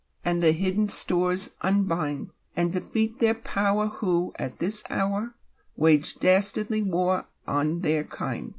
And the hidden stores unbind. And defeat their power who, at this hour, Wage dastardly war on their kind